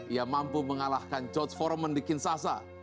ia mampu mengalahkan george foreman di kinshasa